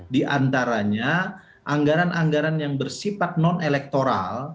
di antaranya anggaran anggaran yang bersifat non elektoral